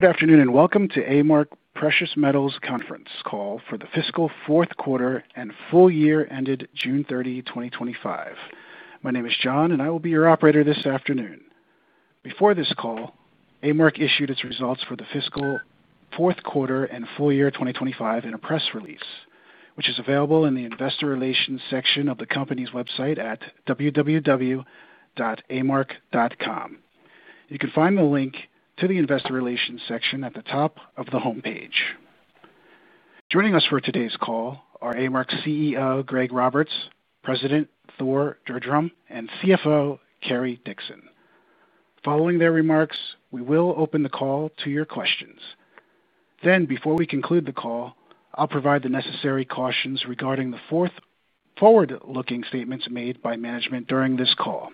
Good afternoon and welcome to A-Mark Precious Metals Conference call for the fiscal fourth quarter and full year ended June 30, 2025. My name is John, and I will be your operator this afternoon. Before this call, A-Mark issued its results for the fiscal fourth quarter and full year 2025 in a press release, which is available in the Investor Relations section of the company's website at www.amark.com. You can find the link to the Investor Relations section at the top of the homepage. Joining us for today's call are A-Mark's CEO, Gregory N. Roberts, President Thor Gjerdrum, and CFO, Carrie Dixon. Following their remarks, we will open the call to your questions. Before we conclude the call, I'll provide the necessary cautions regarding the forward-looking statements made by management during this call.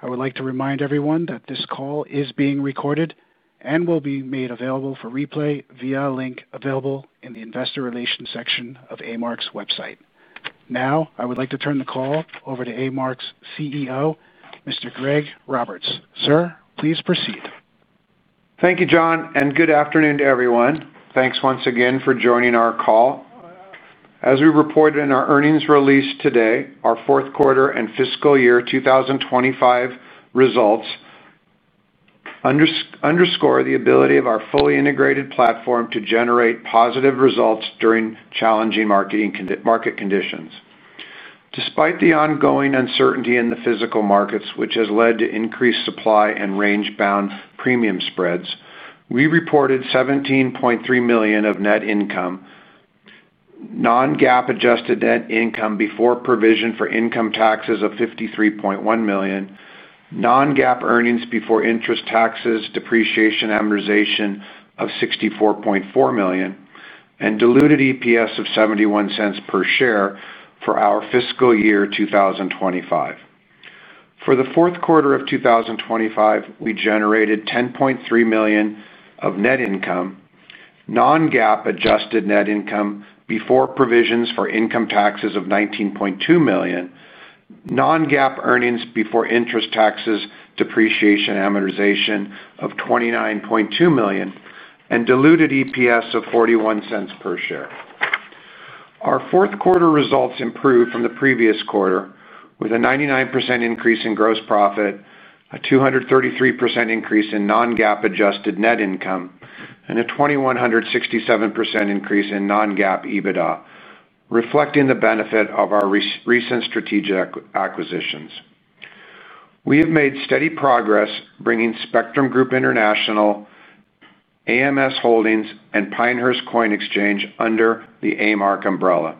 I would like to remind everyone that this call is being recorded and will be made available for replay via link available in the Investor Relations section of A-Mark's website. Now, I would like to turn the call over to A-Mark's CEO, Mr. Gregory N. Roberts. Sir, please proceed. Thank you, John, and good afternoon to everyone. Thanks once again for joining our call. As we reported in our earnings release today, our fourth quarter and fiscal year 2025 results underscore the ability of our fully integrated platform to generate positive results during challenging market conditions. Despite the ongoing uncertainty in the physical markets, which has led to increased supply and range-bound premium spreads, we reported $17.3 million of net income, non-GAAP-adjusted net income before provision for income taxes of $53.1 million, non-GAAP earnings before interest, taxes, depreciation, and amortization of $64.4 million, and diluted EPS of $0.71 per share for our fiscal year 2025. For the fourth quarter of 2025, we generated $10.3 million of net income, non-GAAP-adjusted net income before provision for income taxes of $19.2 million, non-GAAP earnings before interest, taxes, depreciation, and amortization of $29.2 million, and diluted EPS of $0.41 per share. Our fourth quarter results improved from the previous quarter with a 99% increase in gross profit, a 233% increase in non-GAAP-adjusted net income, and a 2,167% increase in non-GAAP EBITDA, reflecting the benefit of our recent strategic acquisitions. We have made steady progress bringing Spectrum Group International, AMS Holdings LLC, and Pinehurst Coin Exchange under the A-Mark umbrella,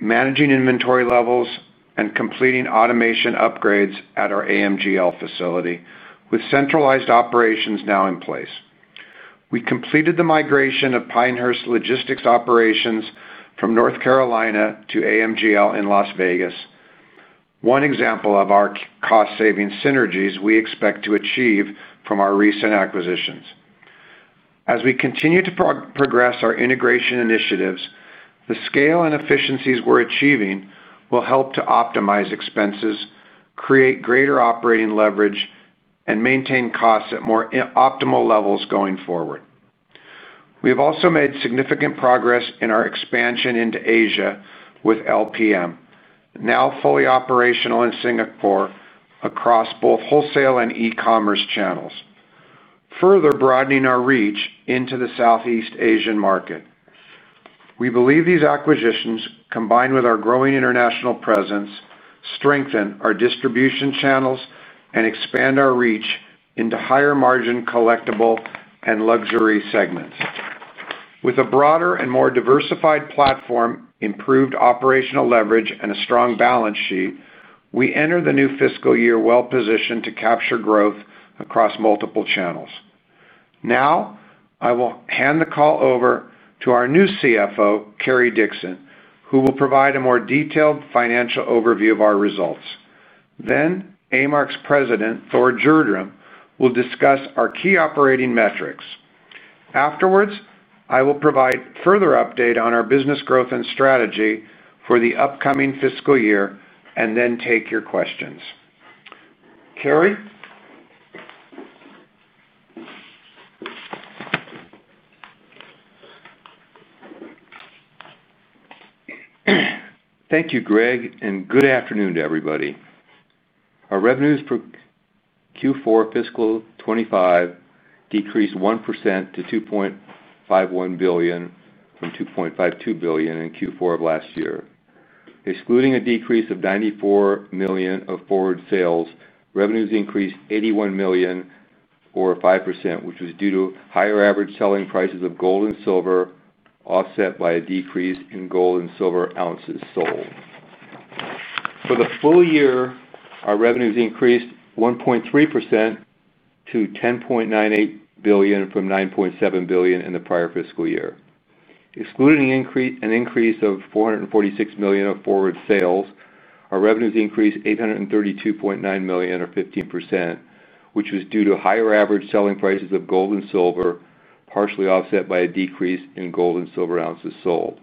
managing inventory levels and completing automation upgrades at our A-Mark Global Logistics facility with centralized operations now in place. We completed the migration of Pinehurst logistics operations from North Carolina to A-Mark Global Logistics in Las Vegas, one example of our cost-saving synergies we expect to achieve from our recent acquisitions. As we continue to progress our integration initiatives, the scale and efficiencies we're achieving will help to optimize expenses, create greater operating leverage, and maintain costs at more optimal levels going forward. We have also made significant progress in our expansion into Asia with LPM Group Limited, now fully operational in Singapore across both wholesale and e-commerce channels, further broadening our reach into the Southeast Asian market. We believe these acquisitions, combined with our growing international presence, strengthen our distribution channels and expand our reach into higher margin collectible and luxury segments. With a broader and more diversified platform, improved operational leverage, and a strong balance sheet, we enter the new fiscal year well-positioned to capture growth across multiple channels. Now, I will hand the call over to our new Chief Financial Officer, Carrie Dixon, who will provide a more detailed financial overview of our results. Next, A-Mark's President, Thor Gjerdrum, will discuss our key operating metrics. Afterward, I will provide further update on our business growth and strategy for the upcoming fiscal year and then take your questions. Carrie? Thank you, Greg, and good afternoon to everybody. Our revenues for Q4 fiscal 2025 decreased 1% to $2.51 billion from $2.52 billion in Q4 of last year. Excluding a decrease of $94 million of forward sales, revenues increased $81 million or 5%, which was due to higher average selling prices of gold and silver, offset by a decrease in gold and silver ounces sold. For the full year, our revenues increased 1.3% to $10.98 billion from $9.7 billion in the prior fiscal year. Excluding an increase of $446 million of forward sales, our revenues increased $832.9 million or 15%, which was due to higher average selling prices of gold and silver, partially offset by a decrease in gold and silver ounces sold.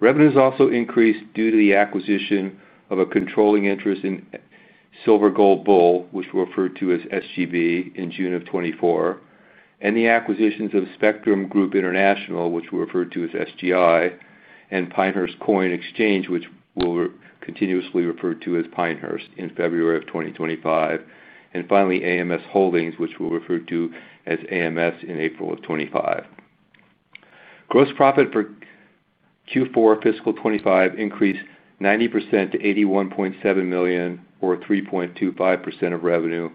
Revenues also increased due to the acquisition of a controlling interest in Silver Gold Bull, which we referred to as SGB, in June of 2024, and the acquisitions of Spectrum Group International, which we referred to as SGI, and Pinehurst Coin Exchange, which we will continuously refer to as Pinehurst, in February of 2025, and finally, AMS Holdings, which we will refer to as AMS, in April of 2025. Gross profit for Q4 fiscal 2025 increased 90% to $81.7 million or 3.25% of revenue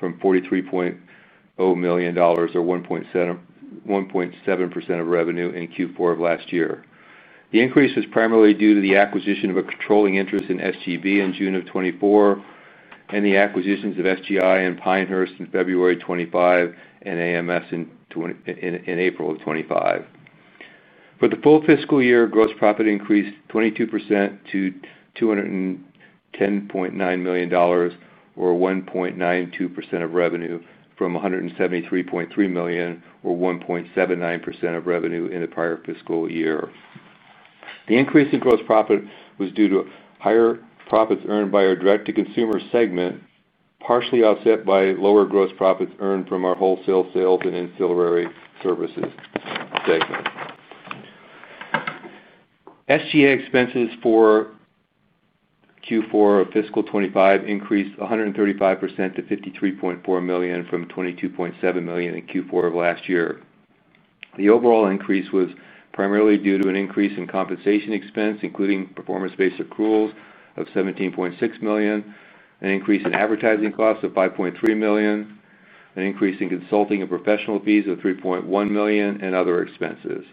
from $43.0 million or 1.7% of revenue in Q4 of last year. The increase was primarily due to the acquisition of a controlling interest in SGB in June of 2024 and the acquisitions of SGI and Pinehurst in February of 2025 and AMS in April of 2025. For the full fiscal year, gross profit increased 22% to $210.9 million or 1.92% of revenue from $173.3 million or 1.79% of revenue in the prior fiscal year. The increase in gross profit was due to higher profits earned by our direct-to-consumer segment, partially offset by lower gross profits earned from our wholesale sales and ancillary services segment. SG&A expenses for Q4 of fiscal 2025 increased 135% to $53.4 million from $22.7 million in Q4 of last year. The overall increase was primarily due to an increase in compensation expense, including performance-based accruals of $17.6 million, an increase in advertising costs of $5.3 million, an increase in consulting and professional fees of $3.1 million, and other expenses.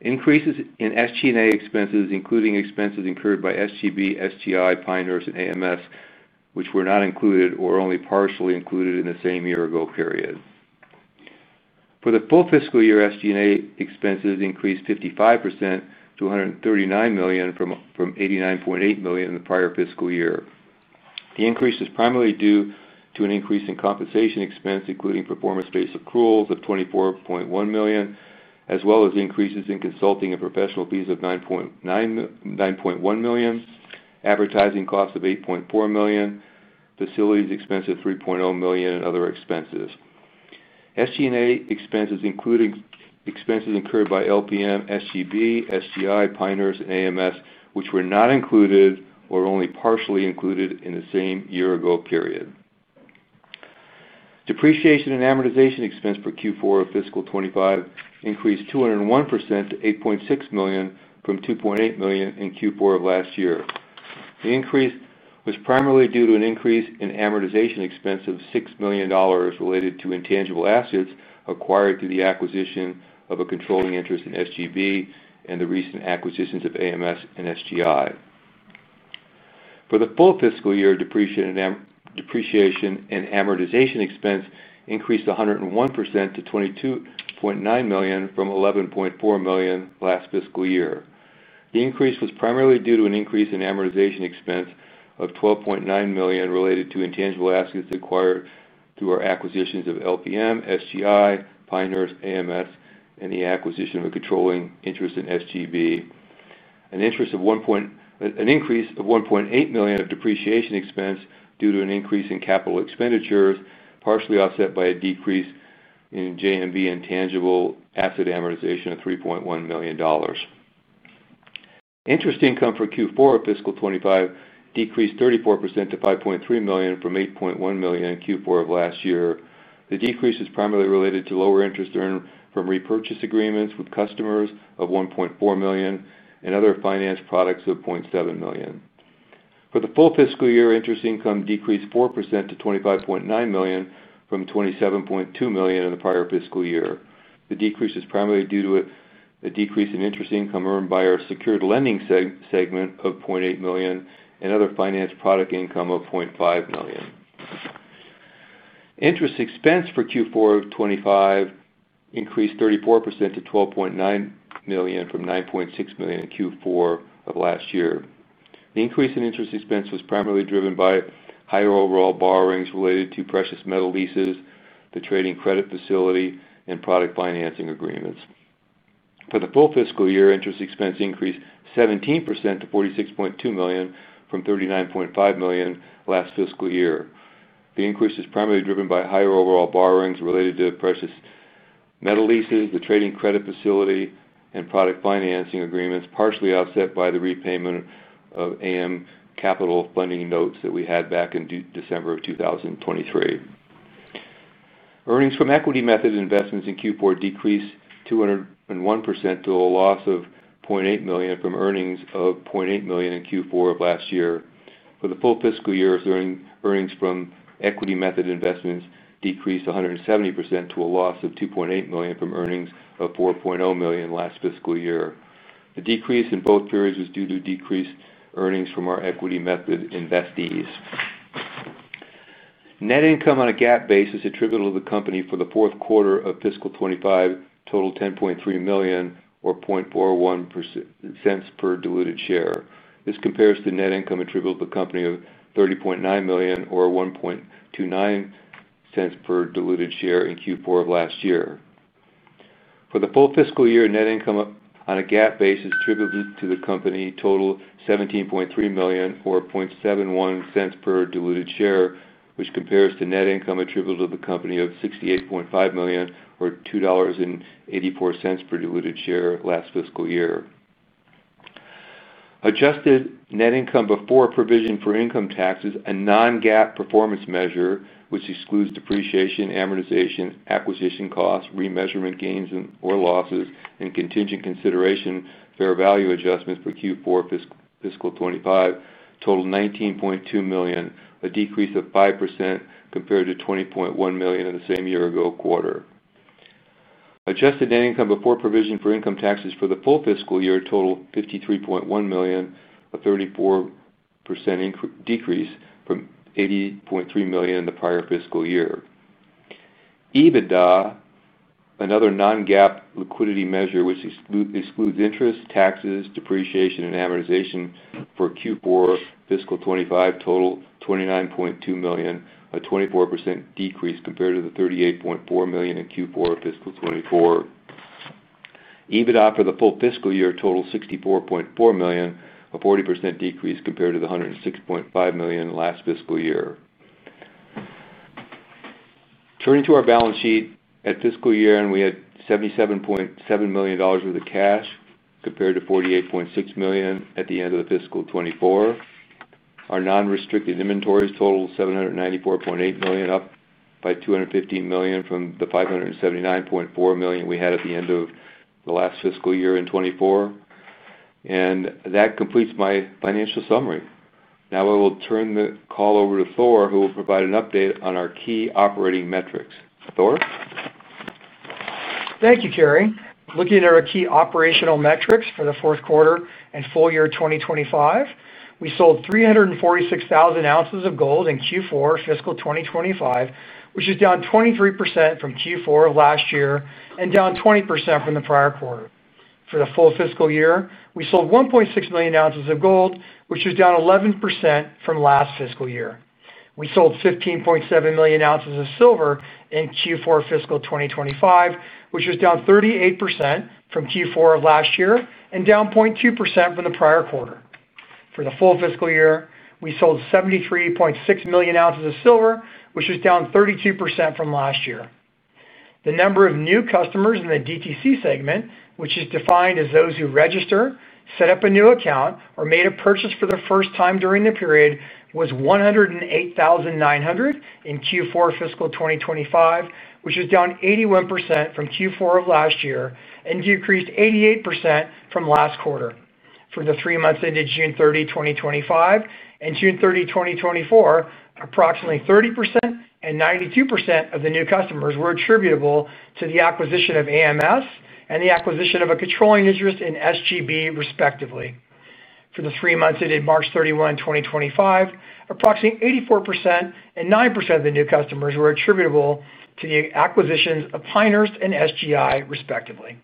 Increases in SG&A expenses include expenses incurred by SGB, SGI, Pinehurst, and AMS, which were not included or only partially included in the same year-ago period. For the full fiscal year, SG&A expenses increased 55% to $139 million from $89.8 million in the prior fiscal year. The increase is primarily due to an increase in compensation expense, including performance-based accruals of $24.1 million, as well as increases in consulting and professional fees of $9.1 million, advertising costs of $8.4 million, facilities expense of $3.0 million, and other expenses. SG&A expenses include expenses incurred by LPM Group Limited, Silver Gold Bull, Spectrum Group International, Pinehurst Coin Exchange, and AMS Holdings LLC, which were not included or only partially included in the same year-ago period. Depreciation and amortization expense for Q4 of fiscal 2025 increased 201% to $8.6 million from $2.8 million in Q4 of last year. The increase was primarily due to an increase in amortization expense of $6.0 million related to intangible assets acquired through the acquisition of a controlling interest in Silver Gold Bull and the recent acquisitions of AMS Holdings LLC and Spectrum Group International. For the full fiscal year, depreciation and amortization expense increased 101% to $22.9 million from $11.4 million last fiscal year. The increase was primarily due to an increase in amortization expense of $12.9 million related to intangible assets acquired through our acquisitions of LPM Group Limited, Spectrum Group International, Pinehurst Coin Exchange, AMS Holdings LLC, and the acquisition of a controlling interest in Silver Gold Bull. An increase of $1.8 million of depreciation expense was due to an increase in capital expenditures, partially offset by a decrease in JM Bullion intangible asset amortization of $3.1 million. Interest income for Q4 of fiscal 2025 decreased 34% to $5.3 million from $8.1 million in Q4 of last year. The decrease is primarily related to lower interest earned from repurchase agreements with customers of $1.4 million and other finance products of $0.7 million. For the full fiscal year, interest income decreased 4% to $25.9 million from $27.2 million in the prior fiscal year. The decrease is primarily due to a decrease in interest income earned by our secured lending segment of $0.8 million and other finance product income of $0.5 million. Interest expense for Q4 of 2025 increased 34% to $12.9 million from $9.6 million in Q4 of last year. The increase in interest expense was primarily driven by higher overall borrowings related to precious metal leases, the trading credit facility, and product financing agreements. For the full fiscal year, interest expense increased 17% to $46.2 million from $39.5 million last fiscal year. The increase is primarily driven by higher overall borrowings related to precious metal leases, the trading credit facility, and product financing agreements, partially offset by the repayment of AM Capital funding notes that we had back in December of 2023. Earnings from equity-method investments in Q4 decreased 201% to a loss of $0.8 million from earnings of $0.8 million in Q4 of last year. For the full fiscal year, earnings from equity-method investments decreased 170% to a loss of $2.8 million from earnings of $4.0 million last fiscal year. The decrease in both periods was due to decreased earnings from our equity-method investees. Net income on a GAAP basis attributable to the company for the fourth quarter of fiscal 2025 totaled $10.3 million or $0.41 per diluted share. This compares to net income attributable to the company of $30.9 million or $1.29 per diluted share in Q4 of last year. For the full fiscal year, net income on a GAAP basis attributable to the company totaled $17.3 million or $0.71 per diluted share, which compares to net income attributable to the company of $68.5 million or $2.84 per diluted share last fiscal year. Adjusted net income before provision for income taxes, a non-GAAP performance measure, which excludes depreciation, amortization, acquisition costs, remeasurement gains or losses, and contingent consideration, fair value adjustments for Q4 fiscal 2025 totaled $19.2 million, a decrease of 5% compared to $20.1 million in the same year-ago quarter. Adjusted net income before provision for income taxes for the full fiscal year totaled $53.1 million, a 34% decrease from $80.3 million in the prior fiscal year. EBITDA, another non-GAAP liquidity measure, which excludes interest, taxes, depreciation, and amortization for Q4 fiscal 2025 totaled $29.2 million, a 24% decrease compared to the $38.4 million in Q4 fiscal 2024. EBITDA for the full fiscal year totaled $64.4 million, a 40% decrease compared to the $106.5 million last fiscal year. Turning to our balance sheet at fiscal year, we had $77.7 million of cash compared to $48.6 million at the end of fiscal 2024. Our non-restricted inventories totaled $794.8 million, up by $215 million from the $579.4 million we had at the end of the last fiscal year in 2024. That completes my financial summary. Now I will turn the call over to Thor, who will provide an update on our key operating metrics. Thor? Thank you, Carrie. Looking at our key operational metrics for the fourth quarter and full year 2025, we sold 346,000 ounces of gold in Q4 fiscal 2025, which is down 23% from Q4 of last year and down 20% from the prior quarter. For the full fiscal year, we sold 1.6 million ounces of gold, which was down 11% from last fiscal year. We sold 15.7 million ounces of silver in Q4 fiscal 2025, which was down 38% from Q4 of last year and down 0.2% from the prior quarter. For the full fiscal year, we sold 73.6 million ounces of silver, which was down 32% from last year. The number of new customers in the DTC segment, which is defined as those who register, set up a new account, or made a purchase for the first time during the period, was 108,900 in Q4 fiscal 2025, which was down 81% from Q4 of last year and decreased 88% from last quarter. For the three months ended June 30, 2025 and June 30, 2024, approximately 30% and 92% of the new customers were attributable to the acquisition of AMS Holdings LLC and the acquisition of a controlling interest in Silver Gold Bull, respectively. For the three months ended March 31, 2025, approximately 84% and 9% of the new customers were attributable to the acquisitions of Pinehurst Coin Exchange and Spectrum Group International, respectively.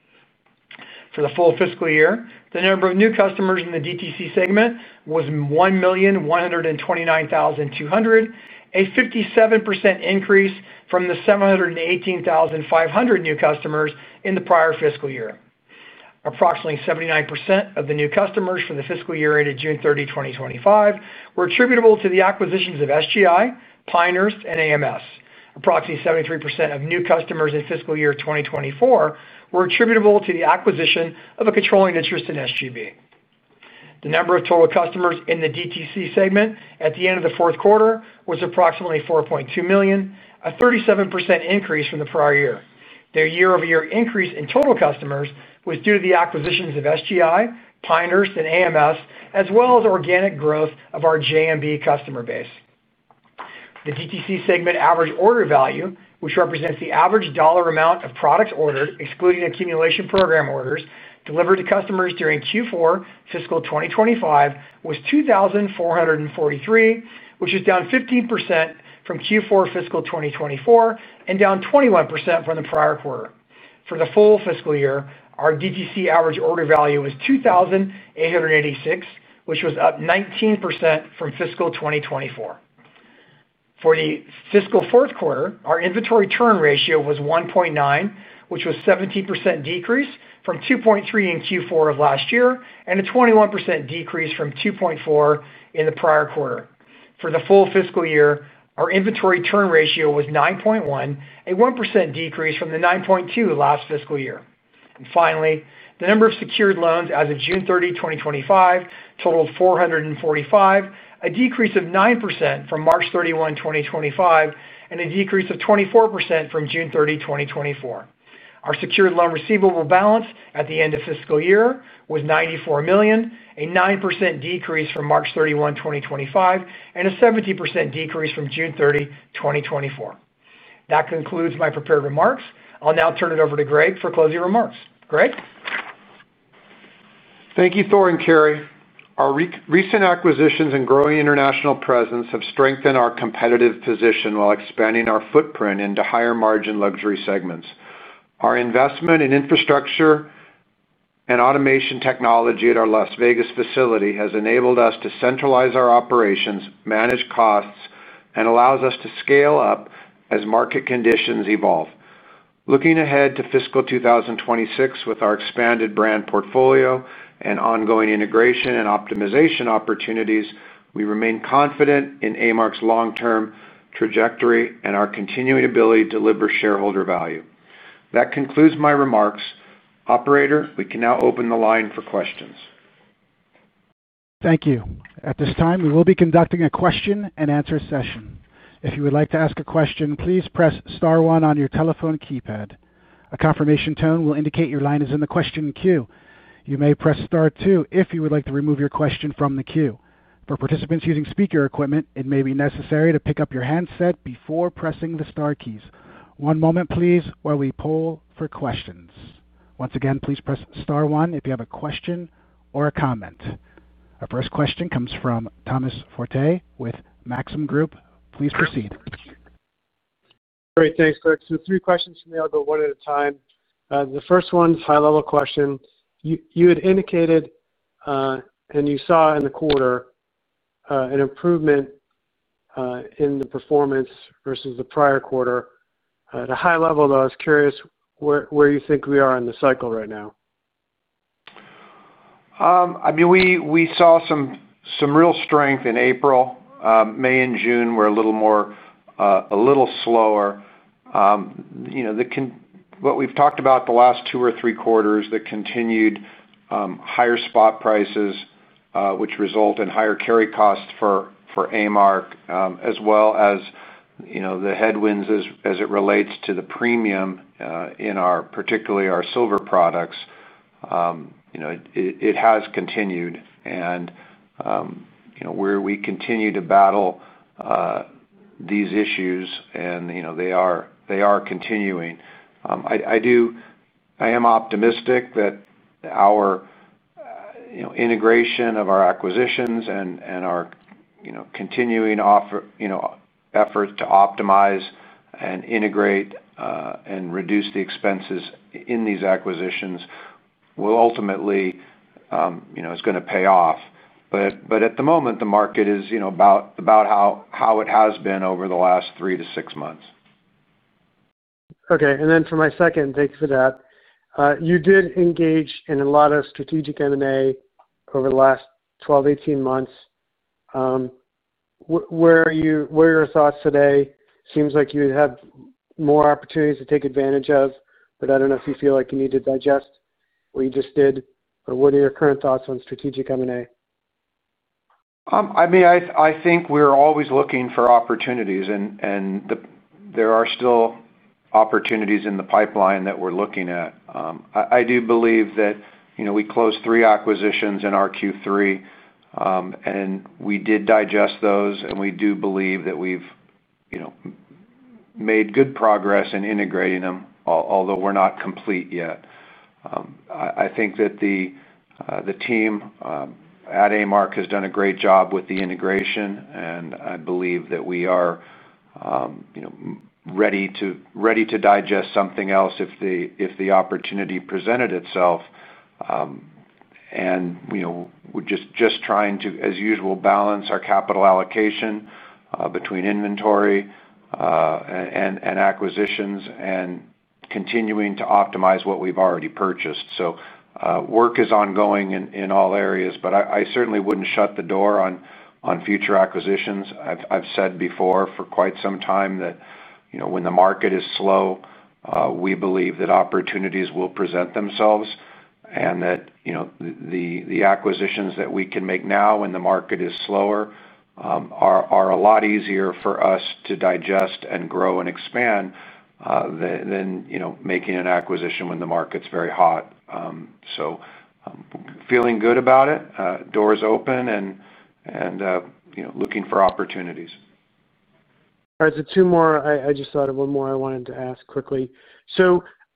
For the full fiscal year, the number of new customers in the DTC segment was 1,129,200, a 57% increase from the 718,500 new customers in the prior fiscal year. Approximately 79% of the new customers for the fiscal year ended June 30, 2025 were attributable to the acquisitions of Spectrum Group International, Pinehurst Coin Exchange, and AMS Holdings LLC. Approximately 73% of new customers in fiscal year 2024 were attributable to the acquisition of a controlling interest in Silver Gold Bull. The number of total customers in the DTC segment at the end of the fourth quarter was approximately 4.2 million, a 37% increase from the prior year. Their year-over-year increase in total customers was due to the acquisitions of Spectrum Group International, Pinehurst Coin Exchange, and AMS Holdings LLC, as well as organic growth of our JM Bullion customer base. The DTC segment average order value, which represents the average dollar amount of products ordered, excluding accumulation program orders, delivered to customers during Q4 fiscal 2025 was $2,443, which was down 15% from Q4 fiscal 2024 and down 21% from the prior quarter. For the full fiscal year, our DTC average order value was $2,886, which was up 19% from fiscal 2024. For the fiscal fourth quarter, our inventory turn ratio was 1.9, which was a 17% decrease from 2.3 in Q4 of last year and a 21% decrease from 2.4 in the prior quarter. For the full fiscal year, our inventory turn ratio was 9.1, a 1% decrease from the 9.2 last fiscal year. Finally, the number of secured loans as of June 30, 2025 totaled 445, a decrease of 9% from March 31, 2025, and a decrease of 24% from June 30, 2024. Our secured loan receivable balance at the end of fiscal year was $94 million, a 9% decrease from March 31, 2025, and a 70% decrease from June 30, 2024. That concludes my prepared remarks. I'll now turn it over to Greg for closing remarks. Greg? Thank you, Thor and Carrie. Our recent acquisitions and growing international presence have strengthened our competitive position while expanding our footprint into higher margin luxury segments. Our investment in infrastructure and automation technology at our Las Vegas facility has enabled us to centralize our operations, manage costs, and allows us to scale up as market conditions evolve. Looking ahead to fiscal 2026 with our expanded brand portfolio and ongoing integration and optimization opportunities, we remain confident in A-Mark's long-term trajectory and our continuing ability to deliver shareholder value. That concludes my remarks. Operator, we can now open the line for questions. Thank you. At this time, we will be conducting a question and answer session. If you would like to ask a question, please press star one on your telephone keypad. A confirmation tone will indicate your line is in the question queue. You may press star two if you would like to remove your question from the queue. For participants using speaker equipment, it may be necessary to pick up your handset before pressing the star keys. One moment, please, while we poll for questions. Once again, please press star one if you have a question or a comment. Our first question comes from Thomas Forte with Maxim Group. Please proceed. All right, thanks, Greg. Three questions from me. I'll go one at a time. The first one's a high-level question. You had indicated, and you saw in the quarter, an improvement in the performance versus the prior quarter. At a high level, though, I was curious where you think we are in the cycle right now. I mean, we saw some real strength in April. May and June were a little more, a little slower. You know, what we've talked about the last two or three quarters, the continued higher spot prices, which result in higher carrying costs for A-Mark, as well as the headwinds as it relates to the premium in our, particularly our silver products. You know, it has continued. You know, we continue to battle these issues, and they are continuing. I am optimistic that our integration of our acquisitions and our continuing efforts to optimize and integrate, and reduce the expenses in these acquisitions will ultimately, you know, is going to pay off. At the moment, the market is about how it has been over the last three to six months. Okay. For my second, thanks for that. You did engage in a lot of strategic M&A over the last 12 to 18 months. Where are you, what are your thoughts today? Seems like you would have more opportunities to take advantage of, but I don't know if you feel like you need to digest what you just did. What are your current thoughts on strategic M&A? I think we're always looking for opportunities, and there are still opportunities in the pipeline that we're looking at. I do believe that we closed three acquisitions in our Q3, and we did digest those, and we do believe that we've made good progress in integrating them, although we're not complete yet. I think that the team at A-Mark has done a great job with the integration, and I believe that we are ready to digest something else if the opportunity presented itself. We're just trying to, as usual, balance our capital allocation between inventory and acquisitions and continuing to optimize what we've already purchased. Work is ongoing in all areas, but I certainly wouldn't shut the door on future acquisitions. I've said before for quite some time that when the market is slow, we believe that opportunities will present themselves and that the acquisitions that we can make now when the market is slower are a lot easier for us to digest and grow and expand than making an acquisition when the market's very hot. Feeling good about it, doors open, and looking for opportunities. All right. Two more. I just thought of one more I wanted to ask quickly.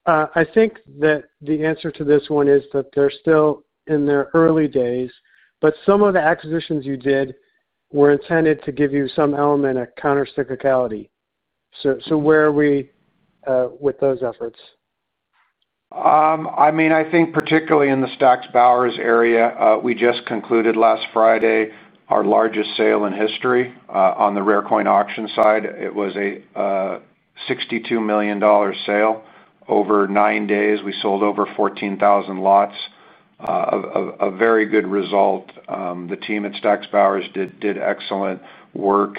I think that the answer to this one is that they're still in their early days, but some of the acquisitions you did were intended to give you some element of countercyclicality. Where are we with those efforts? I think particularly in the Stack's Bowers Galleries area, we just concluded last Friday our largest sale in history on the rare coin auction side. It was a $62 million sale. Over nine days, we sold over 14,000 lots with a very good result. The team at Stack's Bowers Galleries did excellent work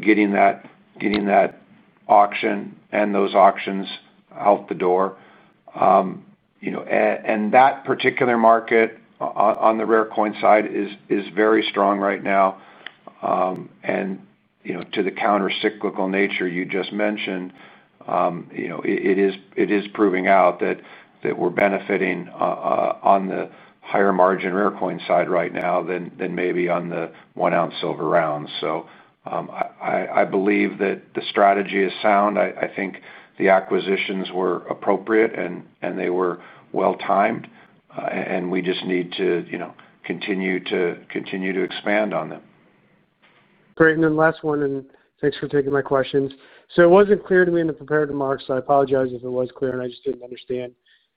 getting that auction and those auctions out the door. That particular market on the rare coin side is very strong right now. To the countercyclical nature you just mentioned, it is proving out that we're benefiting on the higher margin rare coin side right now than maybe on the one-ounce silver rounds. I believe that the strategy is sound. I think the acquisitions were appropriate, and they were well-timed. We just need to continue to expand on them. Great. Last one, and thanks for taking my questions. It wasn't clear to me in the prepared remarks, so I apologize if it was clear and I just didn't understand.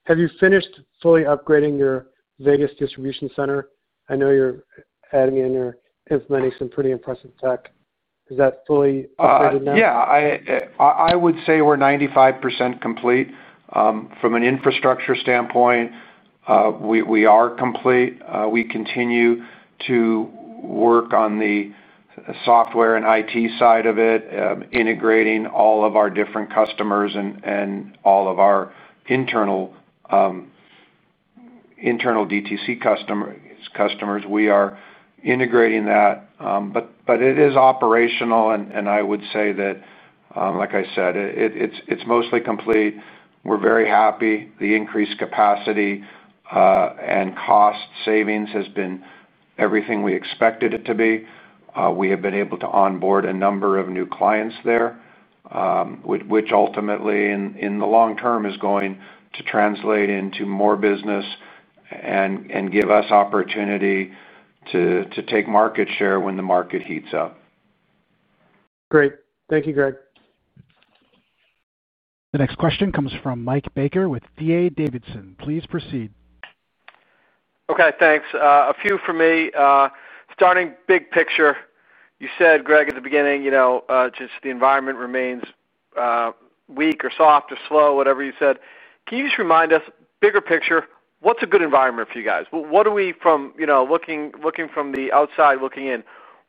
Have you finished fully upgrading your Las Vegas distribution center? I know you're adding in, you're implementing some pretty impressive tech. Is that fully upgraded now? Yeah. I would say we're 95% complete. From an infrastructure standpoint, we are complete. We continue to work on the software and IT side of it, integrating all of our different customers and all of our internal DTC customers. We are integrating that, but it is operational, and I would say that, like I said, it's mostly complete. We're very happy. The increased capacity and cost savings has been everything we expected it to be. We have been able to onboard a number of new clients there, which ultimately, in the long term, is going to translate into more business and give us opportunity to take market share when the market heats up. Great. Thank you, Greg. The next question comes from Michael Baker with P.A. Davidson. Please proceed. Okay. Thanks. A few from me. Starting big picture, you said, Greg, at the beginning, you know, just the environment remains weak or soft or slow, whatever you said. Can you just remind us, bigger picture, what's a good environment for you guys? What do we, from, you know, looking from the outside, looking in,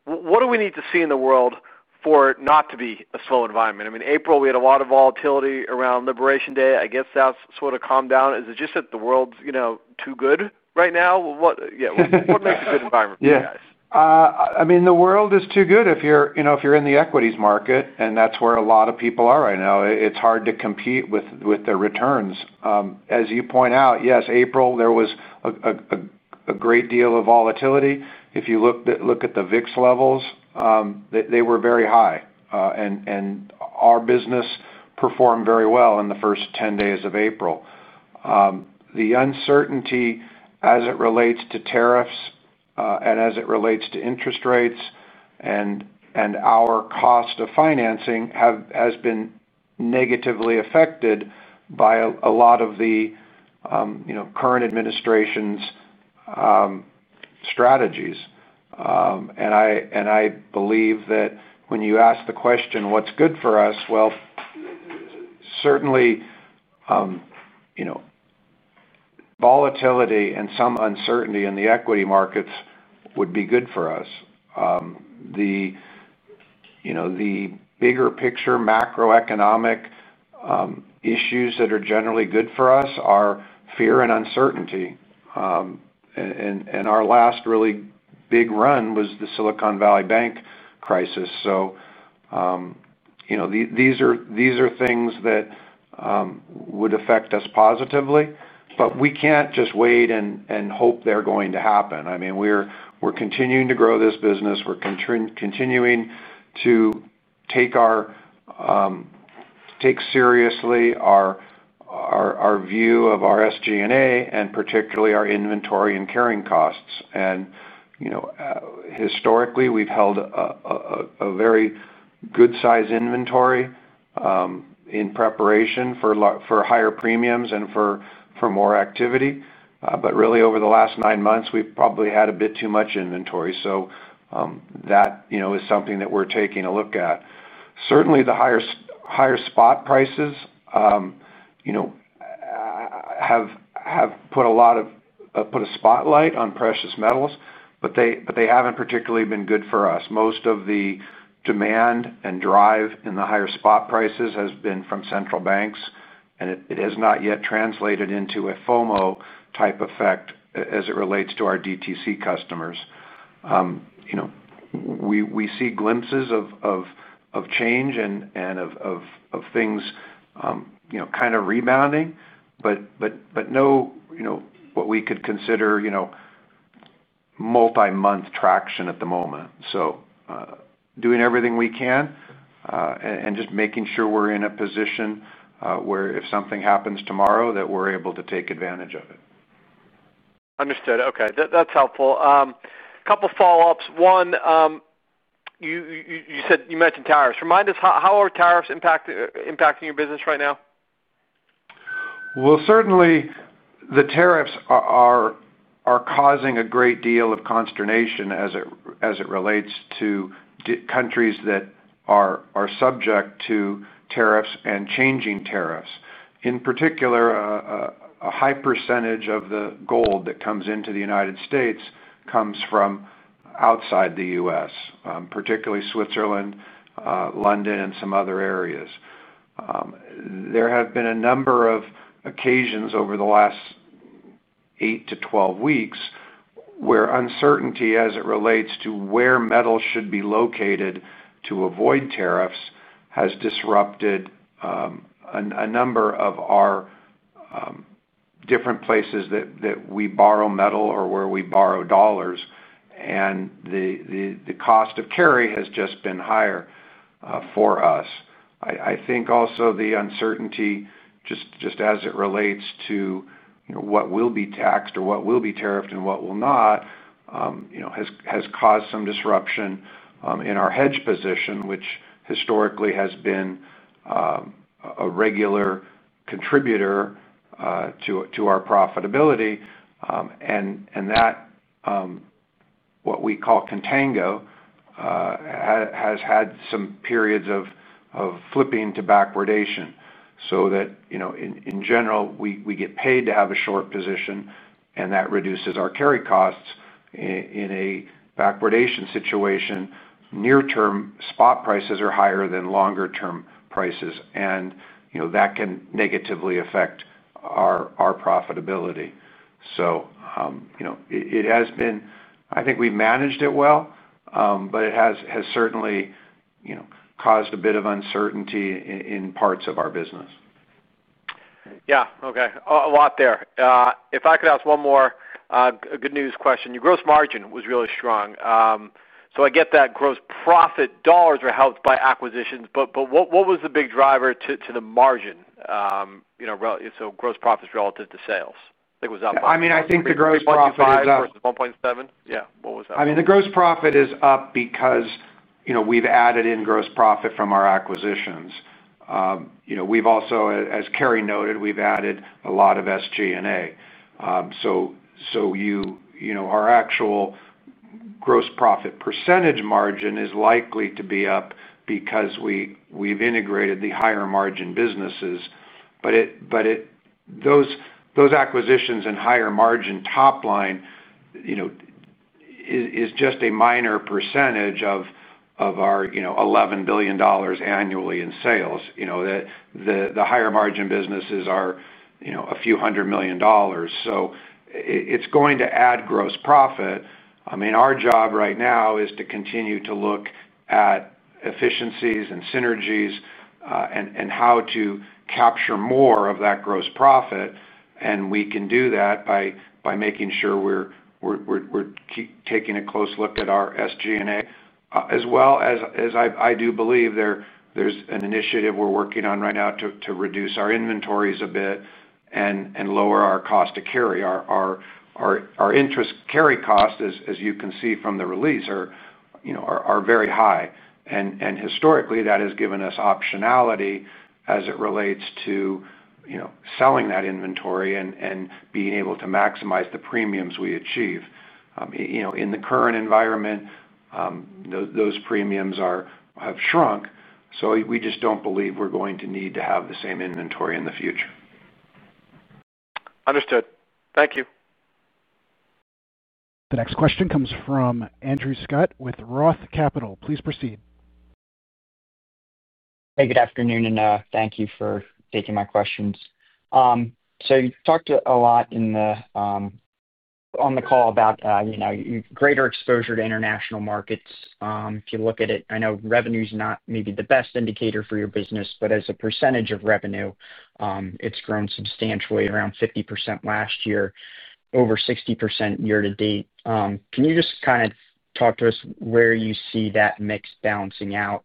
what do we need to see in the world for it not to be a slow environment? I mean, April, we had a lot of volatility around Liberation Day. I guess that's sort of calmed down. Is it just that the world's, you know, too good right now? What makes a good environment for you guys? Yeah. I mean, the world is too good if you're, you know, if you're in the equities market, and that's where a lot of people are right now. It's hard to compete with the returns. As you point out, yes, April, there was a great deal of volatility. If you look at the VIX levels, they were very high, and our business performed very well in the first 10 days of April. The uncertainty as it relates to tariffs, and as it relates to interest rates and our cost of financing have been negatively affected by a lot of the current administration's strategies. I believe that when you ask the question, "What's good for us?" Certainly, you know, volatility and some uncertainty in the equity markets would be good for us. The bigger picture macroeconomic issues that are generally good for us are fear and uncertainty. Our last really big run was the Silicon Valley Bank crisis. These are things that would affect us positively. We can't just wait and hope they're going to happen. We're continuing to grow this business. We're continuing to take seriously our view of our SG&A and particularly our inventory and carrying costs. Historically, we've held a very good-sized inventory in preparation for higher premiums and for more activity, but really, over the last nine months, we've probably had a bit too much inventory. That is something that we're taking a look at. Certainly, the higher spot prices have put a lot of, put a spotlight on precious metals, but they haven't particularly been good for us. Most of the demand and drive in the higher spot prices has been from central banks, and it has not yet translated into a FOMO type effect as it relates to our DTC customers. We see glimpses of change and of things kind of rebounding, but no, you know, what we could consider multi-month traction at the moment. Doing everything we can, and just making sure we're in a position where if something happens tomorrow, that we're able to take advantage of it. Understood. Okay. That's helpful. A couple of follow-ups. One, you mentioned tariffs. Remind us, how are tariffs impacting your business right now? Certainly, the tariffs are causing a great deal of consternation as it relates to countries that are subject to tariffs and changing tariffs. In particular, a high percentage of the gold that comes into the United States comes from outside the U.S., particularly Switzerland, London, and some other areas. There have been a number of occasions over the last 8 to 12 weeks where uncertainty as it relates to where metals should be located to avoid tariffs has disrupted a number of our different places that we borrow metal or where we borrow dollars. The cost of carry has just been higher for us. I think also the uncertainty, just as it relates to, you know, what will be taxed or what will be tariffed and what will not, has caused some disruption in our hedge position, which historically has been a regular contributor to our profitability. What we call contango has had some periods of flipping to backwardation. In general, we get paid to have a short position, and that reduces our carry costs. In a backwardation situation, near-term spot prices are higher than longer-term prices. That can negatively affect our profitability. It has been, I think we've managed it well, but it has certainly caused a bit of uncertainty in parts of our business. Yeah. Okay. If I could ask one more, a good news question. Your gross margin was really strong. I get that gross profit dollars were helped by acquisitions, but what was the big driver to the margin? You know, gross profits relative to sales. Like, was that? I think the gross profit is up. The margin profit was 1.7%? Yeah. What was that? I mean, the gross profit is up because, you know, we've added in gross profit from our acquisitions. You know, we've also, as Carrie noted, we've added a lot of SG&A. You know, our actual gross profit % margin is likely to be up because we've integrated the higher margin businesses. Those acquisitions and higher margin top line, you know, is just a minor % of our, you know, $11 billion annually in sales. You know, the higher margin businesses are, you know, a few hundred million dollars. It's going to add gross profit. I mean, our job right now is to continue to look at efficiencies and synergies, and how to capture more of that gross profit. We can do that by making sure we're taking a close look at our SG&A, as well as I do believe there's an initiative we're working on right now to reduce our inventories a bit and lower our cost to carry. Our interest carry costs, as you can see from the release, are, you know, very high. Historically, that has given us optionality as it relates to, you know, selling that inventory and being able to maximize the premiums we achieve. You know, in the current environment, those premiums have shrunk. We just don't believe we're going to need to have the same inventory in the future. Understood. Thank you. The next question comes from Andrew Scutt with Roth Capital. Please proceed. Good afternoon, and thank you for taking my questions. You talked a lot on the call about your greater exposure to international markets. If you look at it, I know revenue is not maybe the best indicator for your business, but as a percentage of revenue, it's grown substantially, around 50% last year, over 60% year to date. Can you just kind of talk to us where you see that mix balancing out,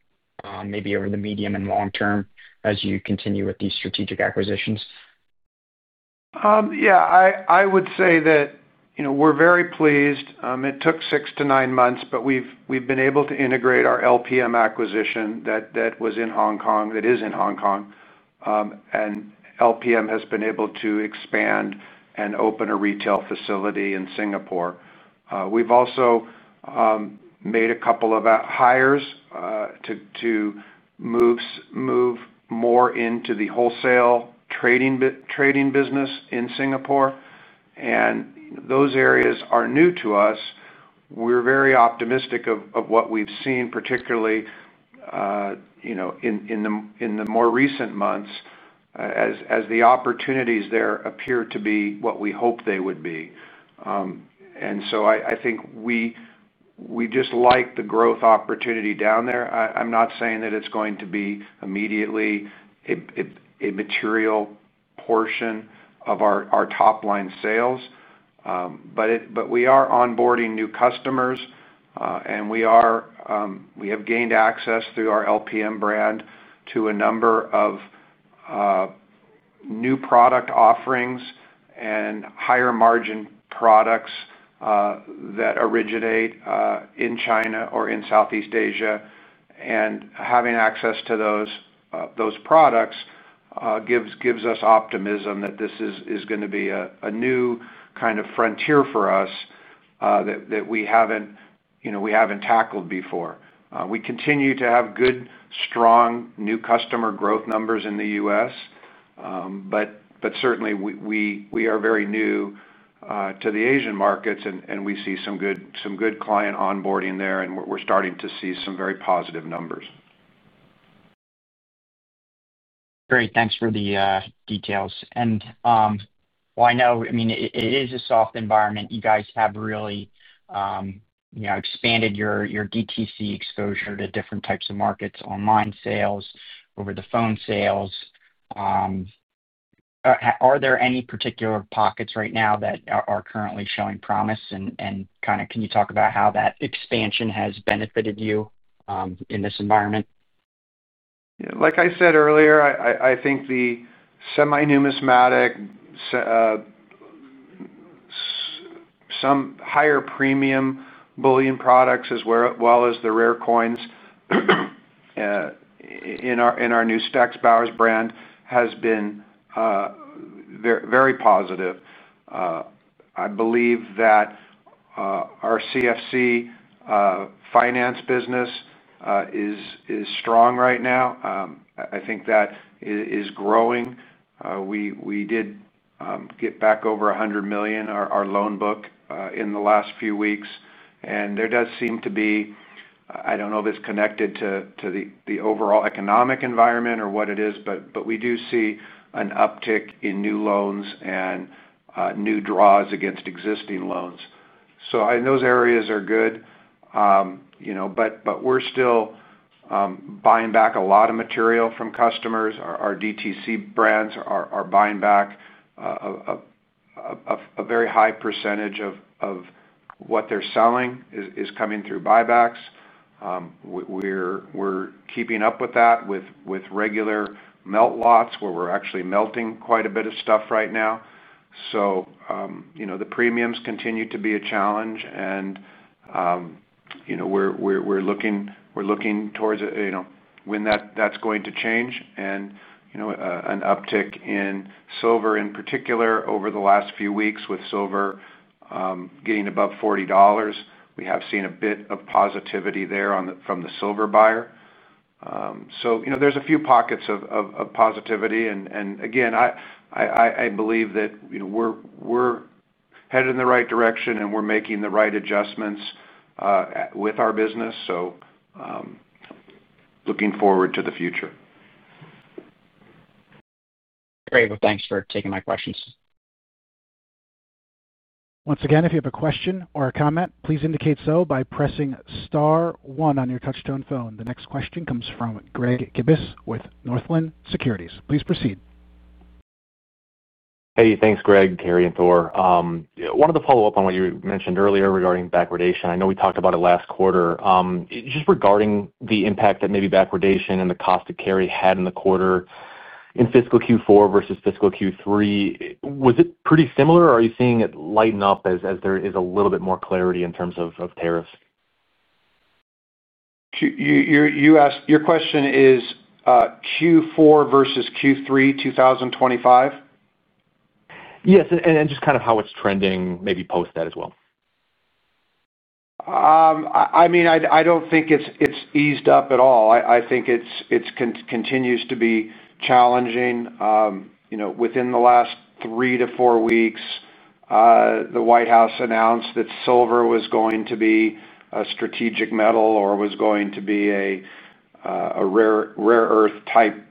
maybe over the medium and long term as you continue with these strategic acquisitions? Yeah. I would say that, you know, we're very pleased. It took six to nine months, but we've been able to integrate our LPM Group Limited acquisition that is in Hong Kong. LPM Group Limited has been able to expand and open a retail facility in Singapore. We've also made a couple of hires to move more into the wholesale trading business in Singapore. Those areas are new to us. We're very optimistic of what we've seen, particularly in the more recent months, as the opportunities there appear to be what we hope they would be. I think we just like the growth opportunity down there. I'm not saying that it's going to be immediately a material portion of our top-line sales, but we are onboarding new customers, and we have gained access through our LPM Group Limited brand to a number of new product offerings and higher margin products that originate in China or in Southeast Asia. Having access to those products gives us optimism that this is going to be a new kind of frontier for us that we haven't tackled before. We continue to have good, strong new customer growth numbers in the U.S., but certainly, we are very new to the Asian markets, and we see some good client onboarding there, and we're starting to see some very positive numbers. Great. Thanks for the details. I know it is a soft environment. You guys have really expanded your DTC exposure to different types of markets, online sales, over-the-phone sales. Are there any particular pockets right now that are currently showing promise? Can you talk about how that expansion has benefited you in this environment? Like I said earlier, I think the semi-numismatic, some higher premium bullion products, as well as the rare coins in our new Stack's Bowers Galleries brand, has been very, very positive. I believe that our Collateral Finance Corporation finance business is strong right now. I think that is growing. We did get back over $100 million on our loan book in the last few weeks. There does seem to be, I don't know if it's connected to the overall economic environment or what it is, but we do see an uptick in new loans and new draws against existing loans. I think those areas are good. You know, we're still buying back a lot of material from customers. Our direct-to-consumer brands are buying back a very high % of what they're selling is coming through buybacks. We're keeping up with that with regular melt lots where we're actually melting quite a bit of stuff right now. The premiums continue to be a challenge. We're looking towards when that's going to change. An uptick in silver in particular over the last few weeks with silver getting above $40. We have seen a bit of positivity there from the silver buyer. You know, there's a few pockets of positivity. Again, I believe that we're headed in the right direction and we're making the right adjustments with our business. Looking forward to the future. Great. Thanks for taking my questions. Once again, if you have a question or a comment, please indicate so by pressing star one on your touch-tone phone. The next question comes from Gregory Gibas with Northland Securities. Please proceed. Hey, thanks, Greg, Carrie, and Thor. I wanted to follow up on what you mentioned earlier regarding backwardation. I know we talked about it last quarter. Just regarding the impact that maybe backwardation and the cost of carry had in the quarter in fiscal Q4 versus fiscal Q3, was it pretty similar or are you seeing it lighten up as there is a little bit more clarity in terms of tariffs? You asked your question is, Q4 versus Q3 2025? Yes, just kind of how it's trending maybe post that as well. I don't think it's eased up at all. I think it continues to be challenging. Within the last three to four weeks, the White House announced that silver was going to be a strategic metal or was going to be a rare-earth type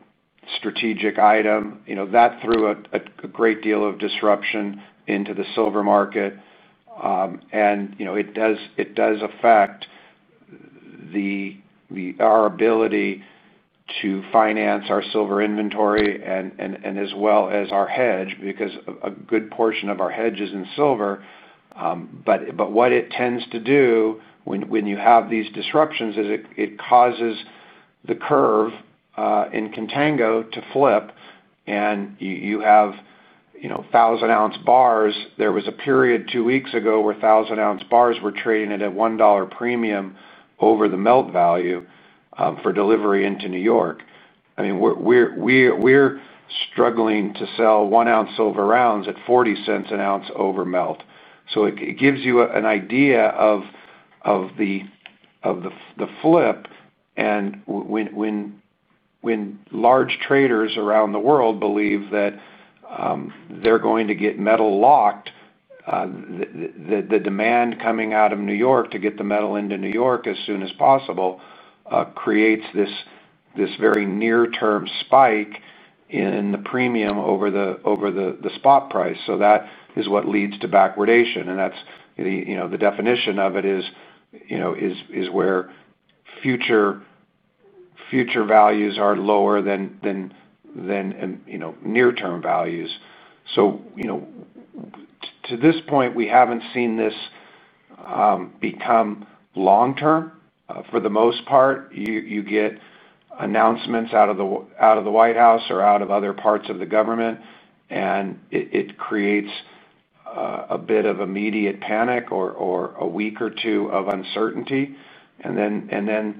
strategic item. That threw a great deal of disruption into the silver market. It does affect our ability to finance our silver inventory as well as our hedge because a good portion of our hedge is in silver. What it tends to do when you have these disruptions is it causes the curve in contango to flip. You have 1,000-ounce bars. There was a period two weeks ago where 1,000-ounce bars were trading at a $1 premium over the melt value for delivery into New York. We're struggling to sell one-ounce silver rounds at $0.40 an ounce over melt. It gives you an idea of the flip. When large traders around the world believe that they're going to get metal locked, the demand coming out of New York to get the metal into New York as soon as possible creates this very near-term spike in the premium over the spot price. That is what leads to backwardation. The definition of it is where future values are lower than near-term values. To this point, we haven't seen this become long-term. For the most part, you get announcements out of the White House or out of other parts of the government, and it creates a bit of immediate panic or a week or two of uncertainty. Then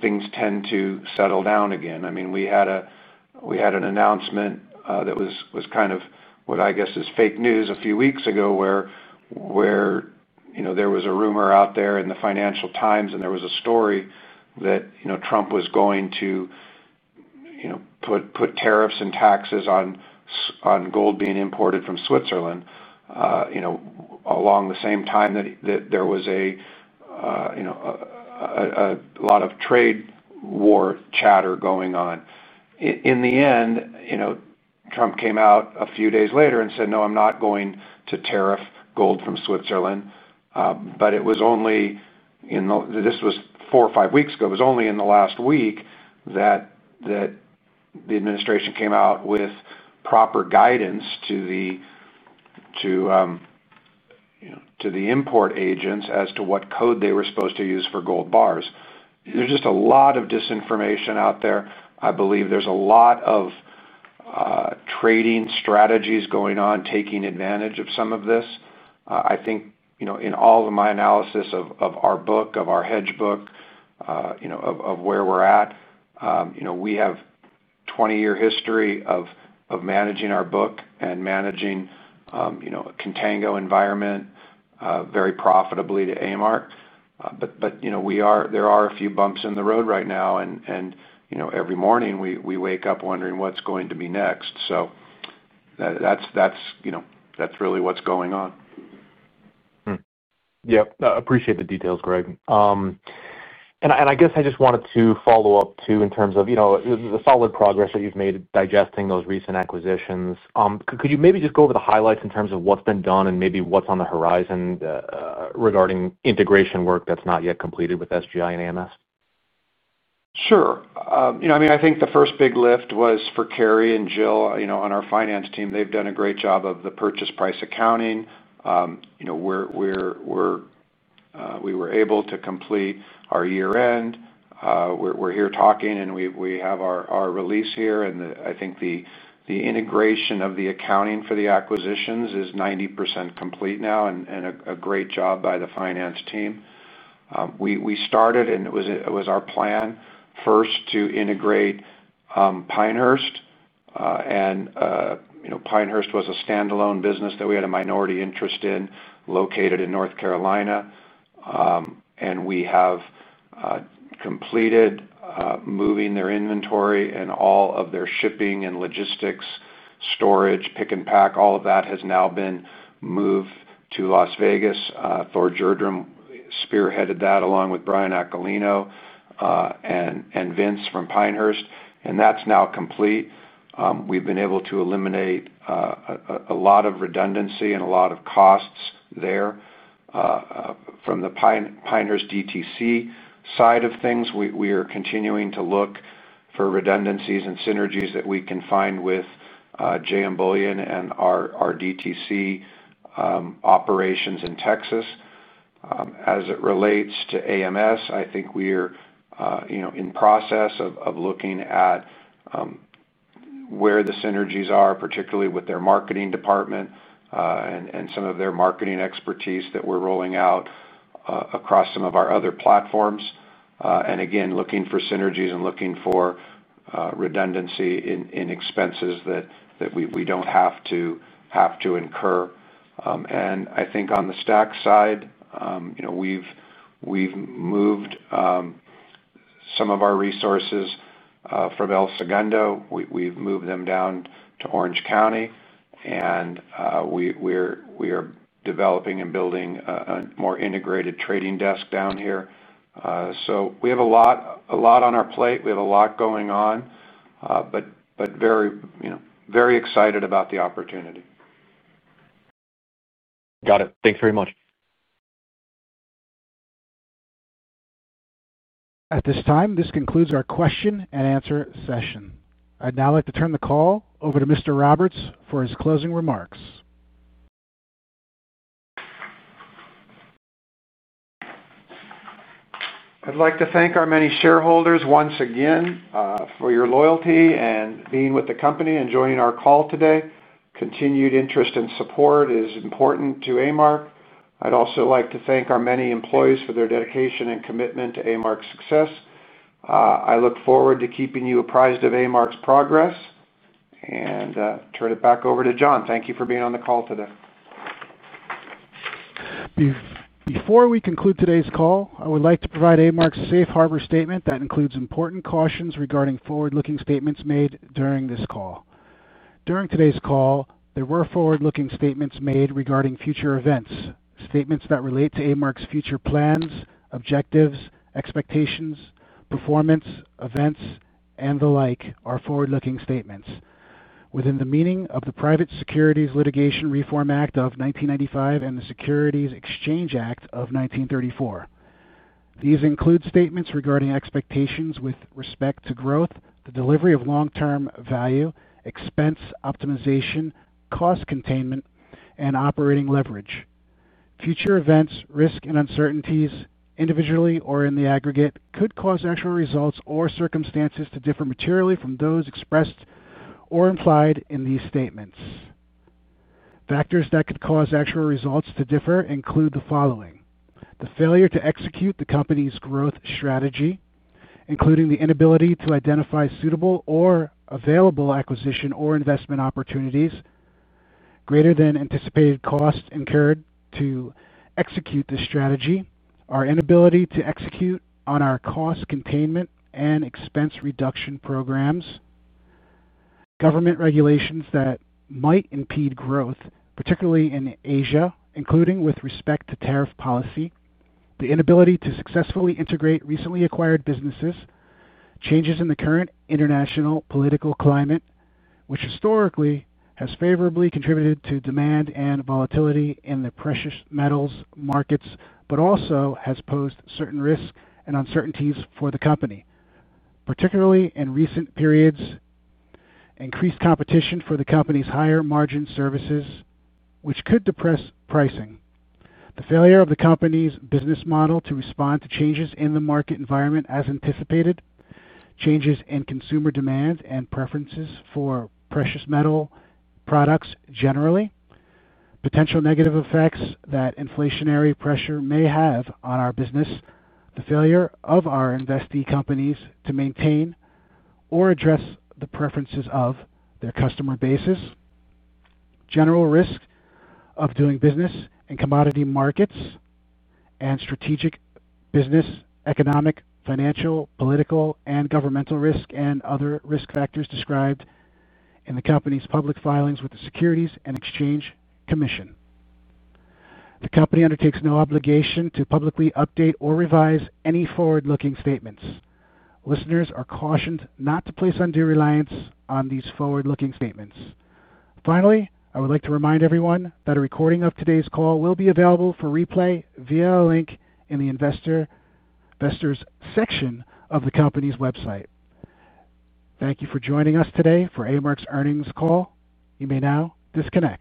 things tend to settle down again. We had an announcement that was kind of what I guess is fake news a few weeks ago where there was a rumor out there in the Financial Times, and there was a story that Trump was going to put tariffs and taxes on gold being imported from Switzerland, along the same time that there was a lot of trade war chatter going on. In the end, Trump came out a few days later and said, "No, I'm not going to tariff gold from Switzerland." This was four or five weeks ago. It was only in the last week that the administration came out with proper guidance to the import agents as to what code they were supposed to use for gold bars. There's just a lot of disinformation out there. I believe there's a lot of trading strategies going on taking advantage of some of this. I think in all of my analysis of our book, of our hedge book, of where we're at, we have a 20-year history of managing our book and managing a contango environment very profitably to A-Mark. However, there are a few bumps in the road right now, and every morning we wake up wondering what's going to be next. That's really what's going on. I appreciate the details, Greg. I guess I just wanted to follow up too in terms of the solid progress that you've made digesting those recent acquisitions. Could you maybe just go over the highlights in terms of what's been done and maybe what's on the horizon regarding integration work that's not yet completed with Spectrum Group International and AMS Holdings LLC? Sure. I think the first big lift was for Carrie and Jill on our finance team. They've done a great job of the purchase price accounting. We were able to complete our year-end. We're here talking, and we have our release here. I think the integration of the accounting for the acquisitions is 90% complete now and a great job by the finance team. We started, and it was our plan first to integrate Pinehurst. Pinehurst was a standalone business that we had a minority interest in located in North Carolina. We have completed moving their inventory and all of their shipping and logistics, storage, pick and pack, all of that has now been moved to Las Vegas. Thor Gjerdrum spearheaded that along with Brian Aquilino and Vince from Pinehurst. That's now complete. We've been able to eliminate a lot of redundancy and a lot of costs there. From the Pinehurst DTC side of things, we are continuing to look for redundancies and synergies that we can find with JM Bullion and our DTC operations in Texas. As it relates to AMS, I think we're in process of looking at where the synergies are, particularly with their marketing department and some of their marketing expertise that we're rolling out across some of our other platforms. Again, looking for synergies and looking for redundancy in expenses that we don't have to incur. I think on the Stack's side, we've moved some of our resources from El Segundo. We've moved them down to Orange County, and we are developing and building a more integrated trading desk down here. We have a lot on our plate. We have a lot going on, but very excited about the opportunity. Got it. Thanks very much. At this time, this concludes our question and answer session. I'd now like to turn the call over to Mr. Roberts for his closing remarks. I'd like to thank our many shareholders once again for your loyalty and being with the company and joining our call today. Continued interest and support is important to A-Mark. I'd also like to thank our many employees for their dedication and commitment to A-Mark's success. I look forward to keeping you apprised of A-Mark's progress. I turn it back over to John. Thank you for being on the call today. Before we conclude today's call, I would like to provide A-Mark's safe harbor statement that includes important cautions regarding forward-looking statements made during this call. During today's call, there were forward-looking statements made regarding future events. Statements that relate to A-Mark's future plans, objectives, expectations, performance, events, and the like are forward-looking statements within the meaning of the Private Securities Litigation Reform Act of 1995 and the Securities Exchange Act of 1934. These include statements regarding expectations with respect to growth, the delivery of long-term value, expense optimization, cost containment, and operating leverage. Future events, risks, and uncertainties, individually or in the aggregate, could cause actual results or circumstances to differ materially from those expressed or implied in these statements. Factors that could cause actual results to differ include the following: the failure to execute the company's growth strategy, including the inability to identify suitable or available acquisition or investment opportunities, greater than anticipated cost incurred to execute the strategy, our inability to execute on our cost containment and expense reduction programs, government regulations that might impede growth, particularly in Asia, including with respect to tariff policy, the inability to successfully integrate recently acquired businesses, changes in the current international political climate, which historically has favorably contributed to demand and volatility in the precious metals markets, but also has posed certain risks and uncertainties for the company, particularly in recent periods, increased competition for the company's higher margin services, which could depress pricing, the failure of the company's business model to respond to changes in the market environment as anticipated, changes in consumer demand and preferences for precious metal products generally, potential negative effects that inflationary pressure may have on our business, the failure of our investee companies to maintain or address the preferences of their customer bases, general risk of doing business in commodity markets, and strategic business, economic, financial, political, and governmental risk, and other risk factors described in the company's public filings with the Securities and Exchange Commission. The company undertakes no obligation to publicly update or revise any forward-looking statements. Listeners are cautioned not to place undue reliance on these forward-looking statements. Finally, I would like to remind everyone that a recording of today's call will be available for replay via a link in the investor's section of the company's website. Thank you for joining us today for A-Mark's earnings call. You may now disconnect.